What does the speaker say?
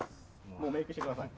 もうメイクして下さい。